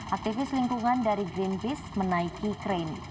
aktivis lingkungan dari greenpeace menaiki crane